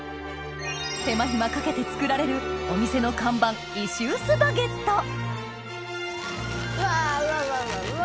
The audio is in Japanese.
手間暇かけて作られるお店の看板うわうわ